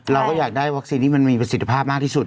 เราก็อยากได้วัคซีนที่มันมีประสิทธิภาพมากที่สุด